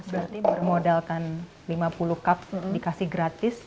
berarti bermodalkan lima puluh cup dikasih gratis